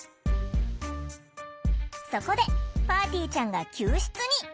そこでぱーてぃーちゃんが救出に！